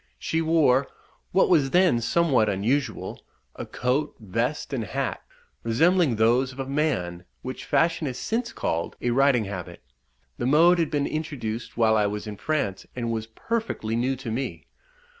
She wore, what was then somewhat unusual, a coat, vest, and hat, resembling those of a man, which fashion has since called a riding habit. The mode had been introduced while I was in France, and was perfectly new to me.